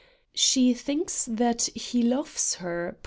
She thinks that he loves her, perhap.